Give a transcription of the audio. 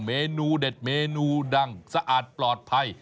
เมนูเด็ดเมนูดังสะอาดปลอดภัย